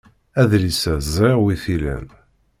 Adlis-a ẓriɣ wi t-ilan.